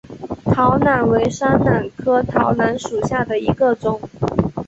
桃榄为山榄科桃榄属下的一个种。